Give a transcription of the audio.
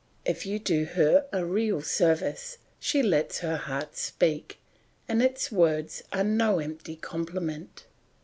If you do her a real service, she lets her heart speak, and its words are no empty compliment.